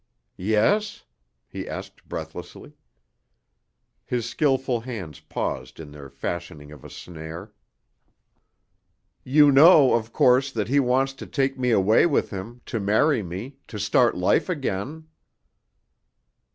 "Yes?" he asked breathlessly. His skillful hands paused in their fashioning of a snare. "You know, of course, that he wants to take me away with him, to marry me, to start life again."